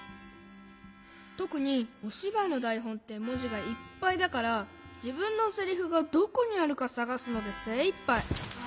とくにおしばいのだいほんってもじがいっぱいだからじぶんのセリフがどこにあるかさがすのでせいいっぱい。